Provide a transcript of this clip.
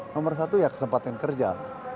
nomor satu ya kesempatan kerja